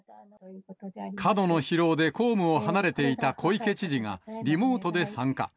過度の疲労で公務を離れていた小池知事が、リモートで参加。